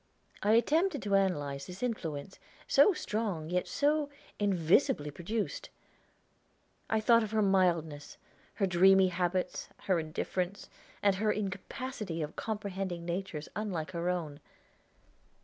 I attempted to analyze this influence, so strong, yet so invisibly produced. I thought of her mildness, her dreamy habits, her indifference, and her incapacity of comprehending natures unlike her own.